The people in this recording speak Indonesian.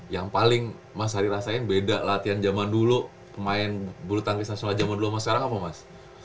yang paling mas ari rasain beda latihan zaman dulu main bulu tangkis nasional zaman dulu mas sekarang apa mas